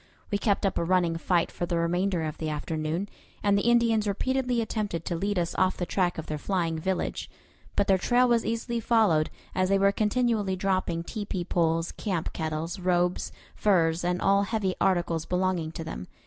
We kept up a running fight for the remainder of the afternoon, and the Indians repeatedly attempted to lead us off the track of their flying village; but their trail was easily followed, as they were continually dropping tepee poles, camp kettles, robes, furs, and all heavy articles belonging to them.